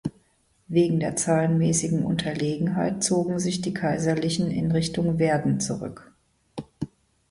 Wegen der zahlenmäßigen Unterlegenheit zogen sich die Kaiserlichen in Richtung Verden zurück.